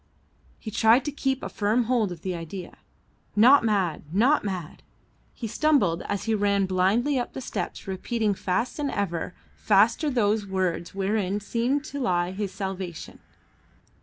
He tried to keep a firm hold of the idea. Not mad, not mad. He stumbled as he ran blindly up the steps repeating fast and ever faster those words wherein seemed to lie his salvation.